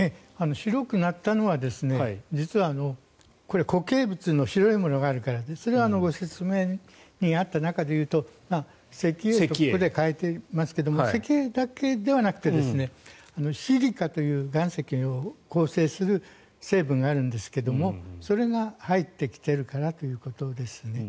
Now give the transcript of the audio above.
白くなったのは実はこれは固形物の白いものがあるからでそれはご説明にあった中でいうと石英と書いていますが石英だけではなくてシリカという岩石を構成する成分があるんですがそれが入ってきているからということですね。